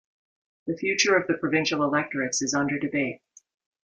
The future of the provincial electorates is under debate.